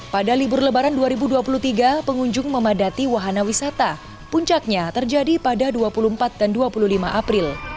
pada libur lebaran dua ribu dua puluh tiga pengunjung memadati wahana wisata puncaknya terjadi pada dua puluh empat dan dua puluh lima april